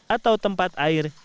atau tempat air yang bersih